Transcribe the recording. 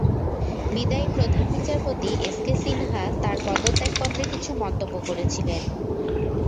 বিদায়ী প্রধান বিচারপতি এস কে সিনহা তাঁর পদত্যাগপত্রে কিছু মন্তব্য করেছিলেন।